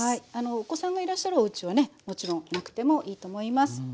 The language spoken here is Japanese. お子さんがいらっしゃるおうちはねもちろんなくてもいいと思います。